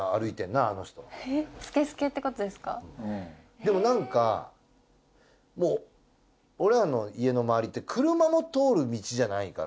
でもなんかもう俺らの家の周りって車も通る道じゃないから。